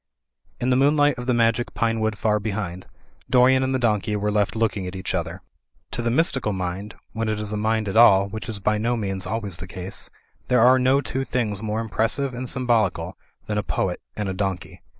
In the moonlight of the magic pine wood far behind, Dorian and the donkey were left looking at each other. To the mystical mind, when it is a mind at all (which is by no means always the case), there are no two things more impressive and symbolical than a poet and a donkey.